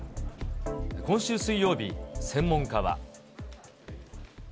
今週水曜日、専門家は。